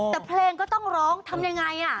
แต่เพลงก็ต้องร้องทำยังไง